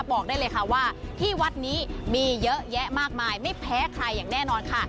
บอกได้เลยค่ะว่าที่วัดนี้มีเยอะแยะมากมายไม่แพ้ใครอย่างแน่นอนค่ะ